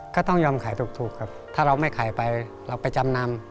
ก็ต้องยอมขายถูกครับถ้าเราไม่ขายไปเราไปจำนำ